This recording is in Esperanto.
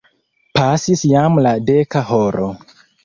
Pasis jam la deka horo.